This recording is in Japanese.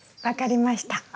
分かりました。